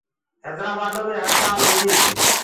هيدرآبآدو مي هڙتآل هوگي۔